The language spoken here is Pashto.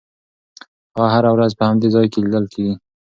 هغه هره ورځ په همدې ځای کې لیدل کېږي.